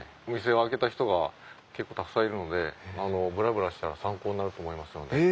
お店を開けた人が結構たくさんいるのでブラブラしたら参考になると思いますので。